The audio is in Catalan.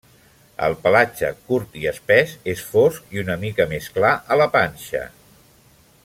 El pelatge, curt i espès, és fosc i una mica més clar a la panxa.